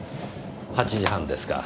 ８時半ですか。